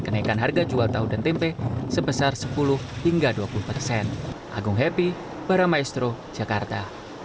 kenaikan harga jual tahu dan tempe sebesar sepuluh hingga dua puluh persen agung happy paramaestro jakarta